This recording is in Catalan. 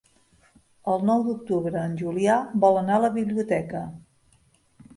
El nou d'octubre en Julià vol anar a la biblioteca.